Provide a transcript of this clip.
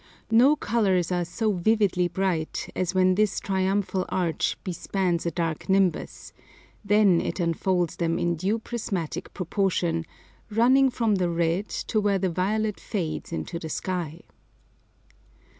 No colours are so vividly bright as when this triumphal arch bespans a dark nimbus: then it unfolds them in due prismatic proportion, "running from the red to where the violet fades into the sky."